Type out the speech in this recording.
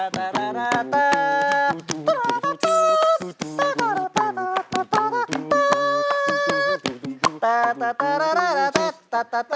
ขอบคุณครับ